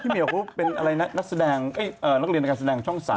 พี่เมียเค้าเป็นทุกคนแบบกลับเรียนตกแสดงช่องสาย